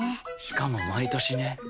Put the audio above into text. しかも毎年ね。